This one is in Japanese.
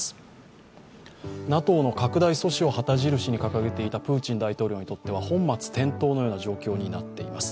ＮＡＴＯの拡大阻止を旗印に掲げていたプーチン大統領にとっては本末転倒のような状況になっています。